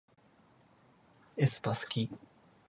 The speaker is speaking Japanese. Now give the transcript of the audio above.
aespa すき